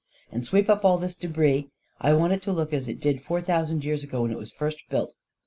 And sweep up all this debris. I want it to look as it did four thousand years ago, when it was first built."